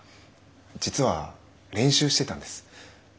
実は練習してたんです。